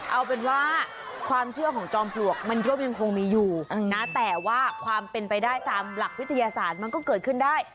เอาเป็นว่าความเชื่อของจอมปลวกมันก็ยังคงมีอยู่นะแต่ว่าความเป็นไปได้ตามหลักวิทยาศาสตร์มันก็เกิดขึ้นได้